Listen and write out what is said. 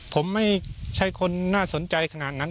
ผมไม่ใช่คนน่าสนใจขนาดนั้น